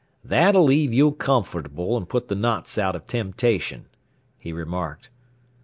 "That'll leave you comfortable, and put the knots out of temptation," he remarked.